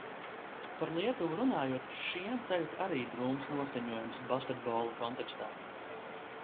Par Lietuvu runājot, šiem tagad arī drūms noskaņojums basketbola kontekstā.